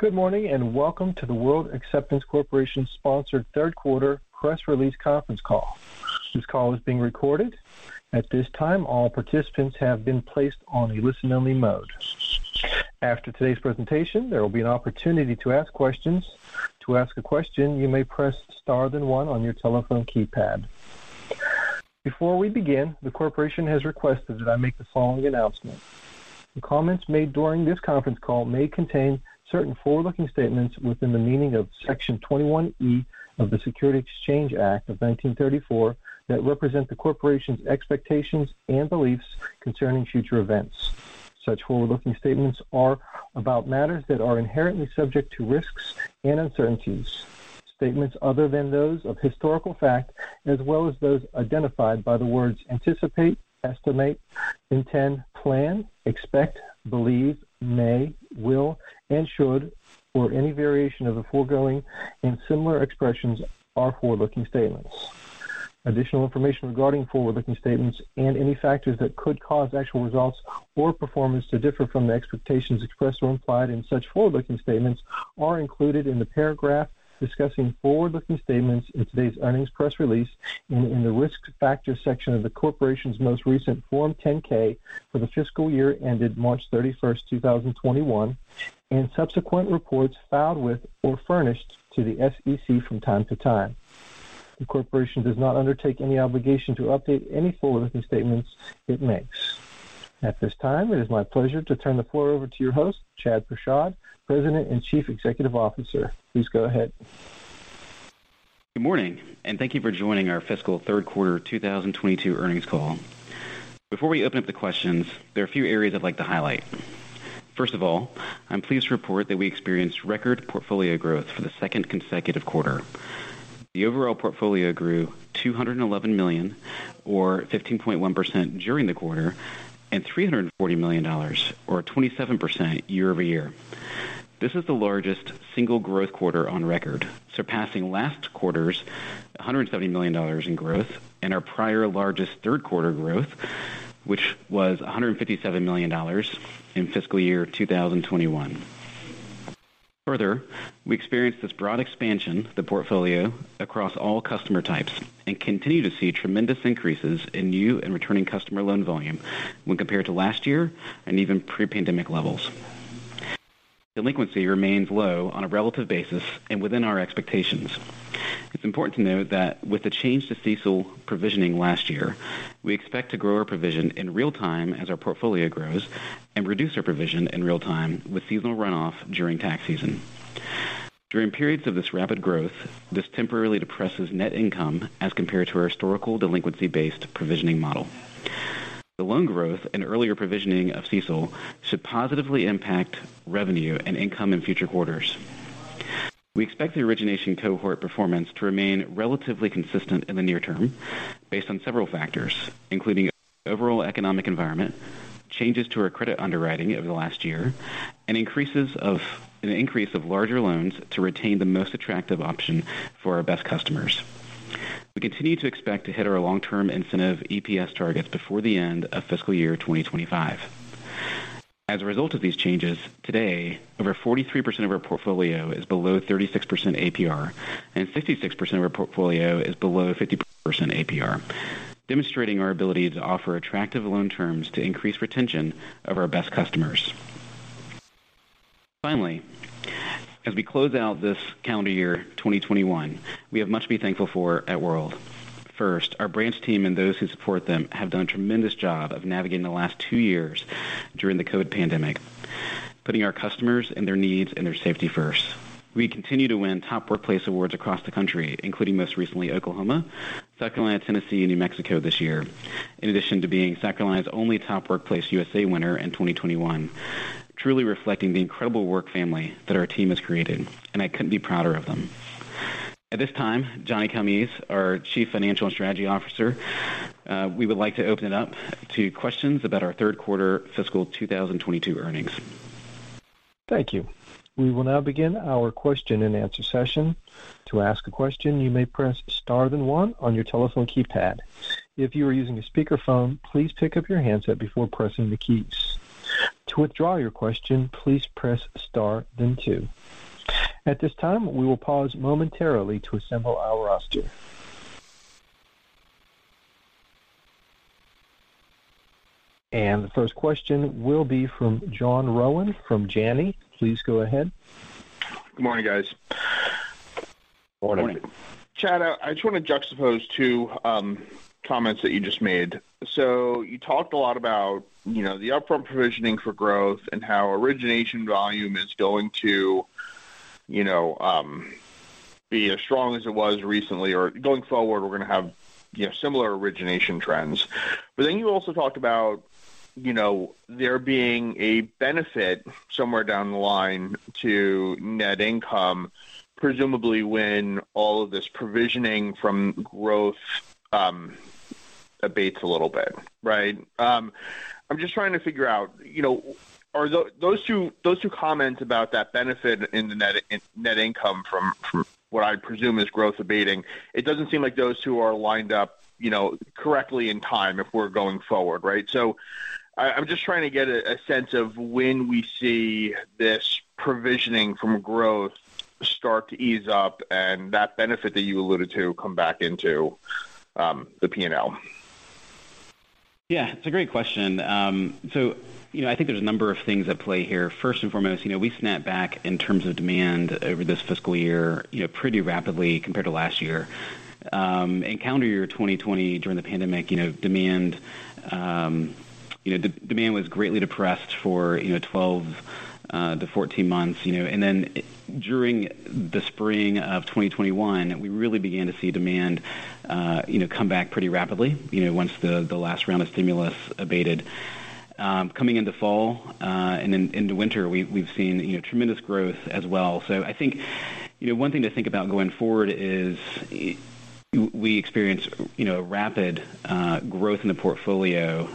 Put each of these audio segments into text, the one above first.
Good morning, and welcome to the World Acceptance Corporation sponsored third quarter press release conference call. This call is being recorded. At this time, all participants have been placed on a listen-only mode. After today's presentation, there will be an opportunity to ask questions. To ask a question, you may press star then one on your telephone keypad. Before we begin, the corporation has requested that I make the following announcement. The comments made during this conference call may contain certain forward-looking statements within the meaning of Section 21E of the Securities Exchange Act of 1934 that represent the corporation's expectations and beliefs concerning future events. Such forward-looking statements are about matters that are inherently subject to risks and uncertainties. Statements other than those of historical fact, as well as those identified by the words anticipate, estimate, intend, plan, expect, believe, may, will, and should, or any variation of the foregoing and similar expressions are forward-looking statements. Additional information regarding forward-looking statements and any factors that could cause actual results or performance to differ from the expectations expressed or implied in such forward-looking statements are included in the paragraph discussing forward-looking statements in today's earnings press release and in the risk factors section of the corporation's most recent Form 10-K for the fiscal year ended March 31st, 2021, and subsequent reports filed with or furnished to the SEC from time to time. The corporation does not undertake any obligation to update any forward-looking statements it makes. At this time, it is my pleasure to turn the floor over to your host, Chad Prashad, President and Chief Executive Officer. Please go ahead. Good morning, and thank you for joining our fiscal third quarter 2022 earnings call. Before we open up the questions, there are a few areas I'd like to highlight. First of all, I'm pleased to report that we experienced record portfolio growth for the second consecutive quarter. The overall portfolio grew $211 million or 15.1% during the quarter, and $340 million or 27% year-over-year. This is the largest single growth quarter on record, surpassing last quarter's $170 million in growth and our prior largest third quarter growth, which was $157 million in fiscal year 2021. Further, we experienced this broad expansion of the portfolio across all customer types and continue to see tremendous increases in new and returning customer loan volume when compared to last year and even pre-pandemic levels. Delinquency remains low on a relative basis and within our expectations. It's important to note that with the change to CECL provisioning last year, we expect to grow our provision in real time as our portfolio grows and reduce our provision in real time with seasonal runoff during tax season. During periods of this rapid growth, this temporarily depresses net income as compared to our historical delinquency-based provisioning model. The loan growth and earlier provisioning of CECL should positively impact revenue and income in future quarters. We expect the origination cohort performance to remain relatively consistent in the near-term based on several factors, including overall economic environment, changes to our credit underwriting over the last year, and an increase of larger loans to retain the most attractive option for our best customers. We continue to expect to hit our long-term incentive EPS targets before the end of fiscal year 2025. As a result of these changes, today, over 43% of our portfolio is below 36% APR, and 56% of our portfolio is below 50% APR, demonstrating our ability to offer attractive loan terms to increase retention of our best customers. Finally, as we close out this calendar year, 2021, we have much to be thankful for at World. First, our branch team and those who support them have done a tremendous job of navigating the last two years during the COVID pandemic, putting our customers and their needs and their safety first. We continue to win Top Workplaces awards across the country, including most recently, Oklahoma, South Carolina, Tennessee, and New Mexico this year. In addition to being South Carolina's only Top Workplaces USA winner in 2021, truly reflecting the incredible work family that our team has created, and I couldn't be prouder of them. At this time, John Calmes, our Chief Financial and Strategy Officer, we would like to open it up to questions about our third quarter fiscal 2022 earnings. Thank you. We will now begin our question-and-answer session. To ask a question, you may press star then one on your telephone keypad. If you are using a speakerphone, please pick up your handset before pressing the keys. To withdraw your question, please press star then two. At this time, we will pause momentarily to assemble our roster. The first question will be from John Rowan from Janney. Please go ahead. Good morning, guys. Morning. Morning. Chad, I just want to juxtapose two comments that you just made. You talked a lot about, you know, the upfront provisioning for growth and how origination volume is going to, you know, be as strong as it was recently or going forward, we're going to have, you know, similar origination trends. You also talked about, you know, there being a benefit somewhere down the line to net income, presumably when all of this provisioning from growth abates a little bit, right? I'm just trying to figure out, you know, are those two comments about that benefit in the net income from what I presume is growth abating. It doesn't seem like those two are lined up, you know, correctly in time if we're going forward, right? I'm just trying to get a sense of when we see this provisioning from growth start to ease up and that benefit that you alluded to come back into the P&L. Yeah, it's a great question. You know, I think there's a number of things at play here. First and foremost, you know, we snapped back in terms of demand over this fiscal year, you know, pretty rapidly compared to last year. In calendar year 2020 during the pandemic, you know, demand was greatly depressed for 12-14 months, you know. During the spring of 2021, we really began to see demand come back pretty rapidly, you know, once the last round of stimulus abated. Coming into fall and into winter, we've seen tremendous growth as well. I think, you know, one thing to think about going forward is we experience, you know, rapid growth in the portfolio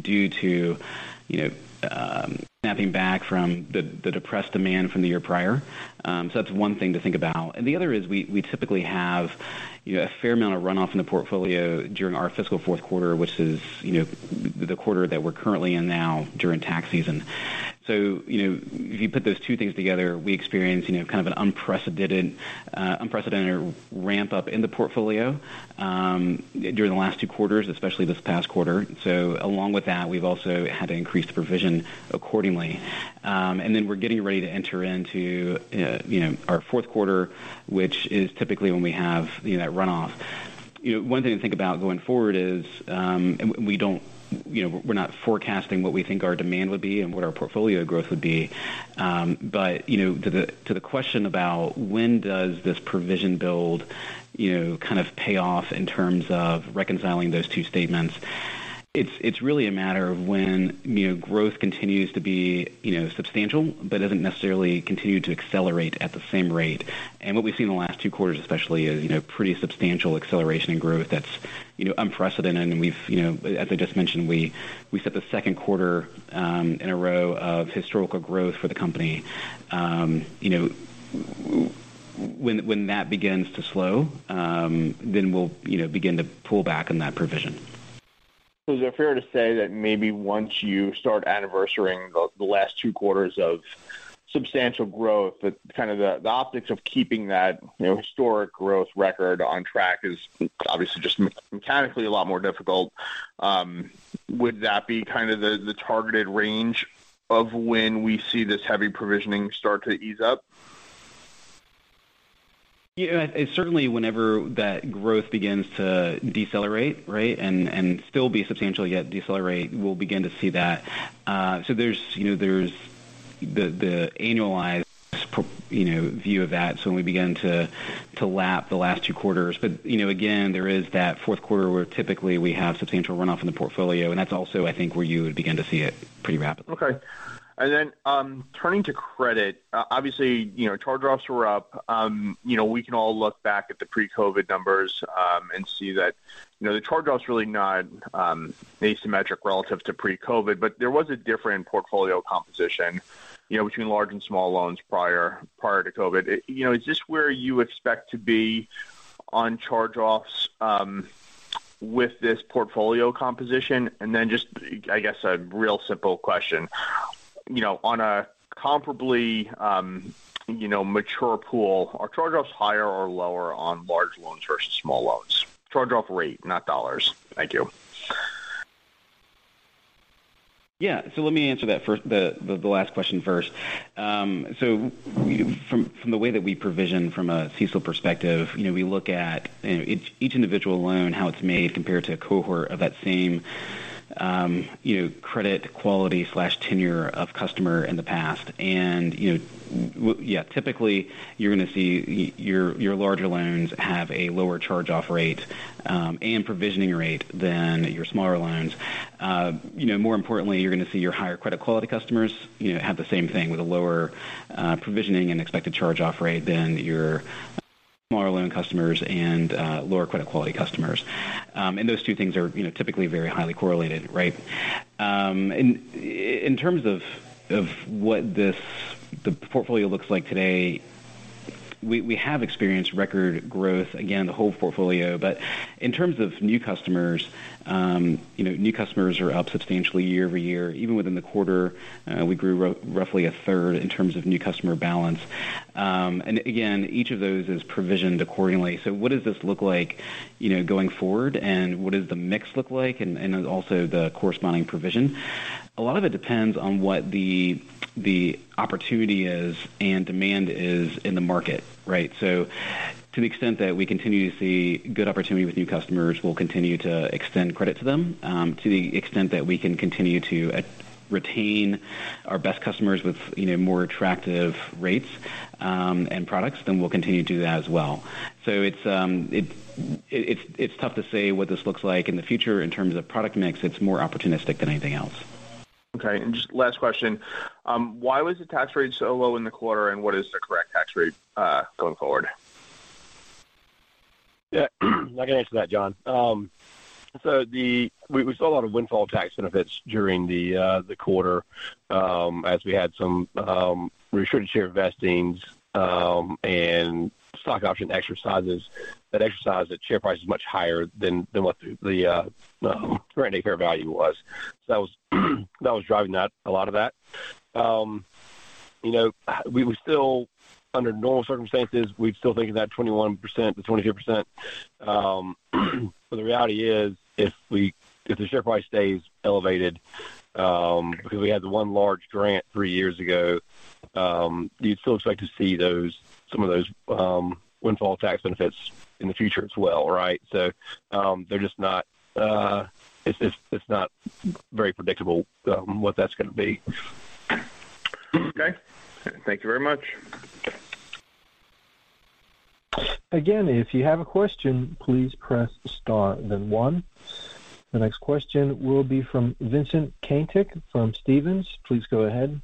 due to, you know, snapping back from the depressed demand from the year prior. That's one thing to think about. The other is we typically have, you know, a fair amount of runoff in the portfolio during our fiscal fourth quarter, which is, you know, the quarter that we're currently in now during tax season. You know, if you put those two things together, we experience, you know, kind of an unprecedented ramp-up in the portfolio during the last two quarters, especially this past quarter. Along with that, we've also had to increase the provision accordingly. We're getting ready to enter into you know, our fourth quarter, which is typically when we have you know, that runoff. You know, one thing to think about going forward is you know, we're not forecasting what we think our demand would be and what our portfolio growth would be. You know, to the question about when does this provision build you know, kind of pay off in terms of reconciling those two statements, it's really a matter of when you know, growth continues to be you know, substantial, but doesn't necessarily continue to accelerate at the same rate. What we've seen in the last two quarters especially is you know, pretty substantial acceleration in growth that's you know, unprecedented. We've, you know, as I just mentioned, we set the second quarter in a row of historical growth for the company. You know, when that begins to slow, then we'll, you know, begin to pull back on that provision. Is it fair to say that maybe once you start anniversarying the last two quarters of substantial growth, that kind of the optics of keeping that, you know, historic growth record on track is obviously just mechanically a lot more difficult? Would that be kind of the targeted range of when we see this heavy provisioning start to ease up? Yeah. It's certainly whenever that growth begins to decelerate, right? Still be substantial, yet decelerate, we'll begin to see that. There's, you know, the annualized view of that when we begin to lap the last two quarters. You know, again, there is that fourth quarter where typically we have substantial runoff in the portfolio, and that's also, I think, where you would begin to see it pretty rapidly. Okay. Turning to credit, obviously, you know, charge-offs were up. You know, we can all look back at the pre-COVID numbers and see that, you know, the charge-off's really not asymmetric relative to pre-COVID, but there was a different portfolio composition, you know, between large and small loans prior to COVID. You know, is this where you expect to be on charge-offs with this portfolio composition? Just, I guess, a real simple question. You know, on a comparably mature pool, are charge-offs higher or lower on large loans versus small loans? Charge-off rate, not dollars. Thank you. Let me answer that first, the last question first. From the way that we provision from a CECL perspective, you know, we look at each individual loan, how it's made compared to a cohort of that same credit quality/tenure of customer in the past. You know, yeah, typically, you're going to see your larger loans have a lower charge-off rate and provisioning rate than your smaller loans. You know, more importantly, you're going to see your higher credit quality customers have the same thing with a lower provisioning and expected charge-off rate than your smaller loan customers and lower credit quality customers. Those two things are, you know, typically very highly correlated, right? In terms of what the portfolio looks like today, we have experienced record growth, again, the whole portfolio. In terms of new customers, you know, new customers are up substantially year-over-year. Even within the quarter, we grew roughly 1/3 in terms of new customer balance. Again, each of those is provisioned accordingly. What does this look like, you know, going forward, and what does the mix look like and also the corresponding provision? A lot of it depends on what the opportunity is and demand is in the market, right? To the extent that we continue to see good opportunity with new customers, we'll continue to extend credit to them. To the extent that we can continue to retain our best customers with, you know, more attractive rates, and products, then we'll continue to do that as well. It's tough to say what this looks like in the future in terms of product mix. It's more opportunistic than anything else. Okay. Just last question. Why was the tax rate so low in the quarter, and what is the correct tax rate going forward? Yeah. I can answer that, John. So we saw a lot of windfall tax benefits during the quarter, as we had some restricted share vestings and stock option exercises that exercise at share prices much higher than what the grant date value was. That was driving that, a lot of that. You know, we would still under normal circumstances, we'd still think of that 21%-22%. But the reality is if the share price stays elevated, because we had the one large grant three years ago, you'd still expect to see those, some of those, windfall tax benefits in the future as well, right? They're just not, it's not very predictable, what that's going to be. Okay. Thank you very much. Again, if you have a question, please press star then one. The next question will be from Vincent Caintic from Stephens. Please go ahead.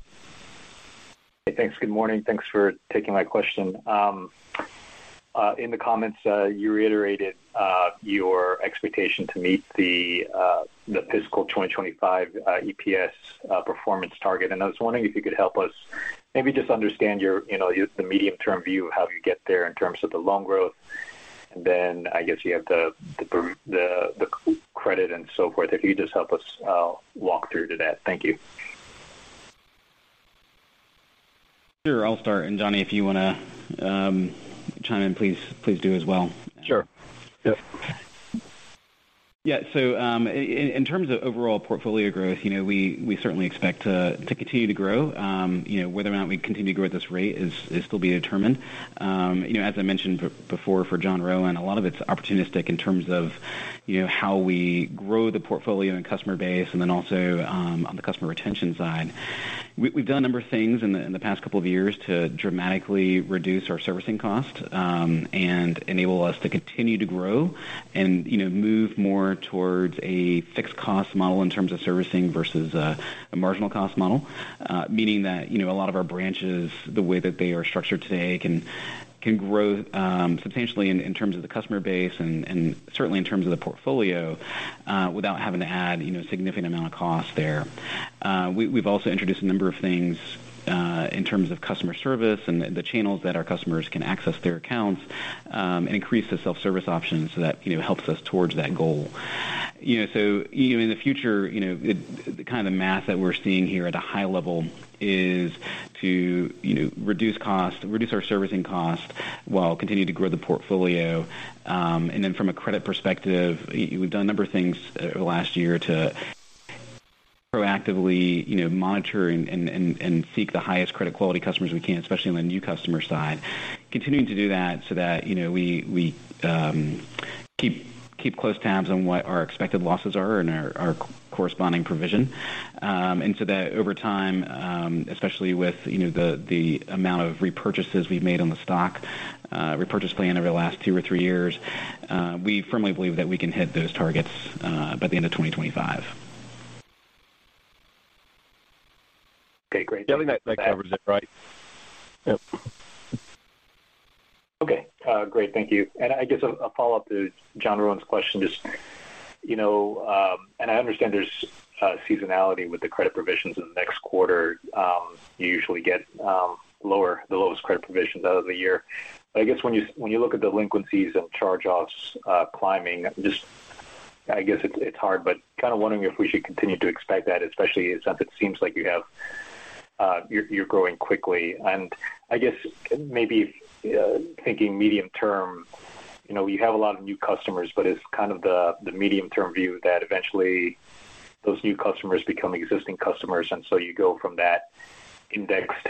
Hey, thanks. Good morning. Thanks for taking my question. In the comments, you reiterated your expectation to meet the fiscal 2025 EPS performance target. I was wondering if you could help us maybe just understand your, you know, the medium-term view of how you get there in terms of the loan growth. I guess you have the credit and so forth. If you could just help us walk us through that. Thank you. Sure. I'll start. Johnny, if you want to, chime in, please do as well. Sure. Yep. Yeah. In terms of overall portfolio growth, you know, we certainly expect to continue to grow. You know, whether or not we continue to grow at this rate is still to be determined. You know, as I mentioned before for John Rowan, a lot of it's opportunistic in terms of, you know, how we grow the portfolio and customer base, and then also on the customer retention side. We've done a number of things in the past couple of years to dramatically reduce our servicing costs and enable us to continue to grow and, you know, move more towards a fixed cost model in terms of servicing versus a marginal cost model. Meaning that, you know, a lot of our branches, the way that they are structured today can grow substantially in terms of the customer base and certainly in terms of the portfolio without having to add, you know, a significant amount of cost there. We've also introduced a number of things in terms of customer service and the channels that our customers can access their accounts and increase the self-service options so that, you know, helps us towards that goal. You know, in the future, you know, the kind of math that we're seeing here at a high level is to, you know, reduce costs, reduce our servicing costs while continuing to grow the portfolio. From a credit perspective, we've done a number of things last year to proactively, you know, monitor and seek the highest credit quality customers we can, especially on the new customer side. Continuing to do that so that, you know, we keep close tabs on what our expected losses are and our corresponding provision. That over time, especially with, you know, the amount of repurchases we've made on the stock repurchase plan over the last two or three years, we firmly believe that we can hit those targets by the end of 2025. Okay, great. I think that covers it right? Yep. Okay. Great. Thank you. I guess a follow-up to John Rowan's question just, you know, and I understand there's seasonality with the credit provisions in the next quarter. You usually get the lowest credit provisions out of the year. I guess when you look at delinquencies and charge-offs climbing, it's hard, but kind of wondering if we should continue to expect that, especially as it seems like you're growing quickly. I guess maybe thinking medium-term, you know, you have a lot of new customers, but it's kind of the medium-term view that eventually those new customers become existing customers. You go from that indexed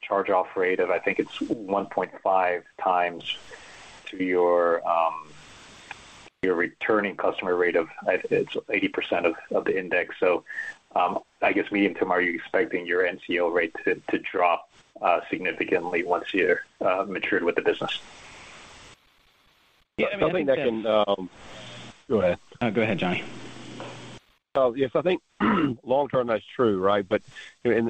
charge-off rate of, I think it's 1.5x to your returning customer rate of it's 80% of the index. I guess medium-term, are you expecting your NCO rate to drop significantly once you're matured with the business? Yeah. Go ahead. Go ahead, Johnny. Yes, I think long-term that's true, right? In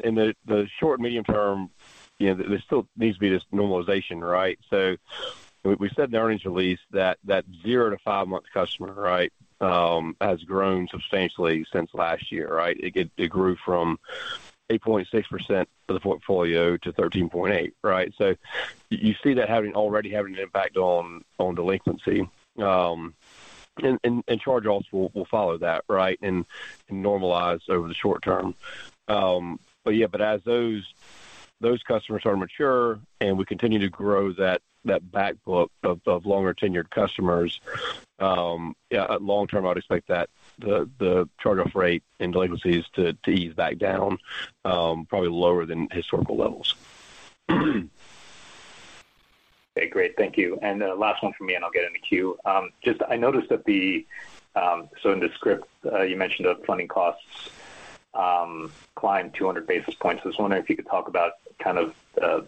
the short medium-term, you know, there still needs to be this normalization, right? We said in the earnings release that zero to five-month customer, right, has grown substantially since last year, right? It grew from 8.6% of the portfolio to 13.8%, right? You see that already having an impact on delinquency. And charge-offs will follow that, right, and normalize over the short-term. Yeah, but as those customers are mature and we continue to grow that back book of longer-tenured customers, yeah, long-term, I'd expect that the charge-off rate and delinquencies to ease back down, probably lower than historical levels. Okay, great. Thank you. Last one for me, and I'll get in the queue. Just, I noticed that. So in the script, you mentioned the funding costs climbed 200 basis points. I was wondering if you could talk about kind of the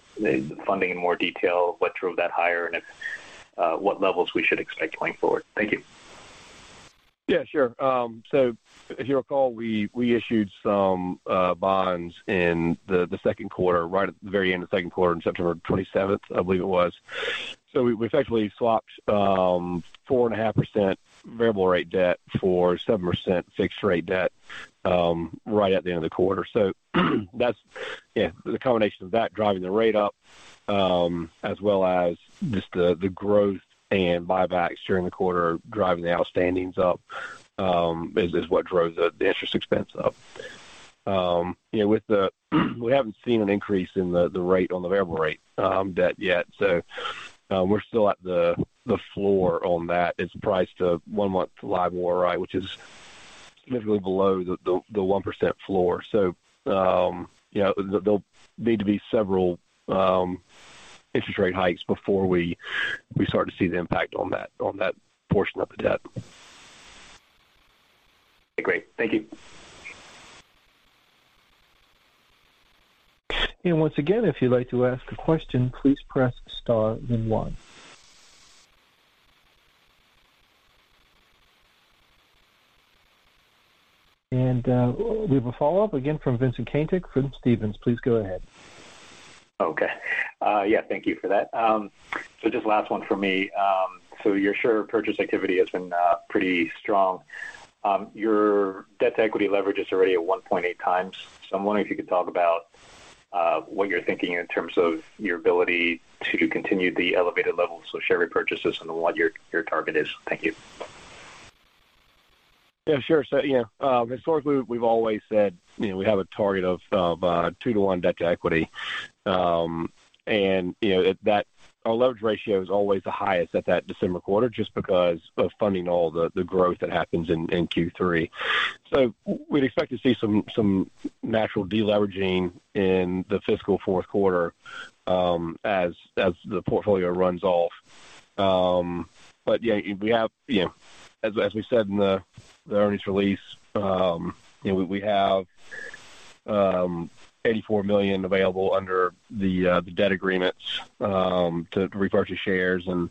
funding in more detail, what drove that higher and if what levels we should expect going forward. Thank you. Yeah, sure. If you recall, we issued some bonds in the second quarter, right at the very end of the second quarter on September 27th, I believe it was. We effectively swapped 4.5% variable rate debt for 7% fixed rate debt, right at the end of the quarter. That's the combination of that driving the rate up, as well as just the growth and buybacks during the quarter driving the outstandings up is what drove the interest expense up. You know, we haven't seen an increase in the rate on the variable rate debt yet. We're still at the floor on that. It's priced to one-month LIBOR, right, which is significantly below the 1% floor. You know, there'll need to be several interest rate hikes before we start to see the impact on that portion of the debt. Great. Thank you. Once again, if you would like to ask a question please press star then one. We have a follow-up again from Vincent Caintic from Stephens. Please go ahead. Okay. Yeah, thank you for that. Just last one from me. Your share purchase activity has been pretty strong. Your debt-to-equity leverage is already at 1.8x. I'm wondering if you could talk about what you're thinking in terms of your ability to continue the elevated levels of share repurchases and what your target is. Thank you. Yeah, sure. Yeah. Historically, we've always said, you know, we have a target of 2-to-1 debt to equity. You know, our leverage ratio is always the highest at that December quarter just because of funding all the growth that happens in Q3. We'd expect to see some natural deleveraging in the fiscal fourth quarter as the portfolio runs off. Yeah, you know, as we said in the earnings release, you know, we have $84 million available under the debt agreements to repurchase shares and,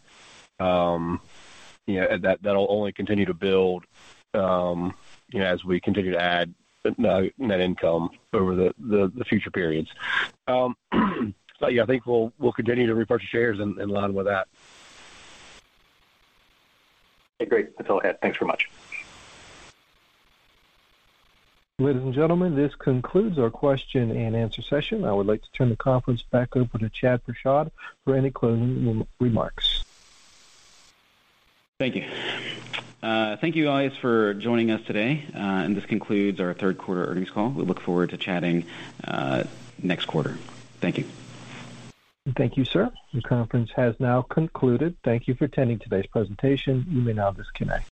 you know, that'll only continue to build, you know, as we continue to add net income over the future periods. Yeah, I think we'll continue to repurchase shares in line with that. Great. That's all I had. Thanks very much. Ladies and gentlemen, this concludes our question-and-answer session. I would like to turn the conference back over to Chad Prashad for any closing remarks. Thank you. Thank you guys for joining us today. This concludes our third quarter earnings call. We look forward to chatting next quarter. Thank you. Thank you, sir. The conference has now concluded. Thank you for attending today's presentation. You may now disconnect.